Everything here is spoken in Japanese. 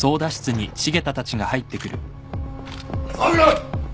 騒ぐな！